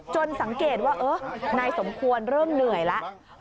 สังเกตว่านายสมควรเริ่มเหนื่อยแล้ว